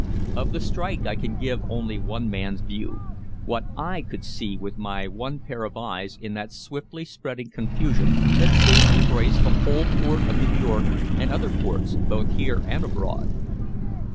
Of the strike I can give only one man's view, what I could see with my one pair of eyes in that swiftly spreading confusion that soon embraced the whole port of New York and other ports both here and abroad.